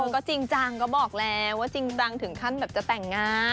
ก็จริงจังก็บอกแล้วว่าจริงจังถึงขั้นแบบจะแต่งงาน